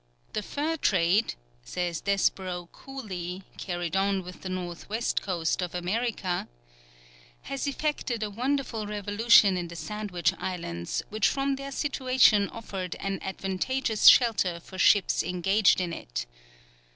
"The fur trade," says Desborough Cooley, carried on with the north west coast of America, "has effected a wonderful revolution in the Sandwich Islands, which from their situation offered an advantageous shelter for ships engaged in it.